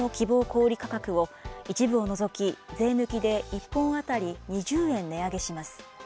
小売り価格を、一部を除き税抜きで１本当たり２０円値上げします。